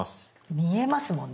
見えますもんね。